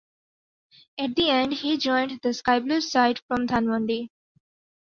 At the end he joined the sky blues side from Dhanmondi.